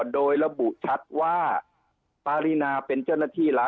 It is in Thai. โดยระบุชัดว่าปารีนาเป็นเจ้าหน้าที่รัฐ